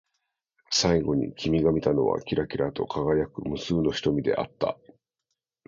最後に君が見たのは、きらきらと輝く無数の瞳であった。